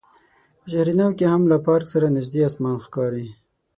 په شهر نو کې هم له پارک سره نژدې اسمان ښکاري.